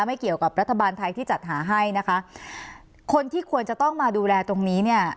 ไม่เกี่ยวกับรัฐบาลไทยที่จัดหาให้นะคะคนที่ควรจะต้องมาดูแลตรงนี้เนี่ย